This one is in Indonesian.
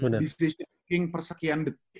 di sisi persekian detik